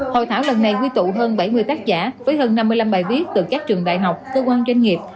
hội thảo lần này quy tụ hơn bảy mươi tác giả với hơn năm mươi năm bài viết từ các trường đại học cơ quan doanh nghiệp